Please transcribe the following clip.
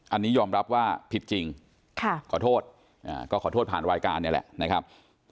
อันนี้ยอมรับว่าผิดจริงขอโทษก็ขอโทษผ่านรายการนี่แหละนะครับ